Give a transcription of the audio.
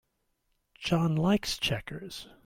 John likes checkers.